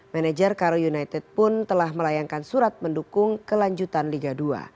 manajer karo united pun telah melayangkan surat mendukung kelanjutan liga dua